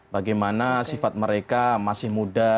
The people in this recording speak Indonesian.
bagaimana sifat mereka masih muda